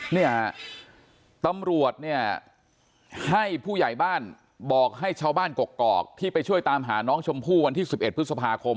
เนี่ยตำรวจเนี่ยให้ผู้ใหญ่บ้านบอกให้ชาวบ้านกกอกที่ไปช่วยตามหาน้องชมพู่วันที่๑๑พฤษภาคม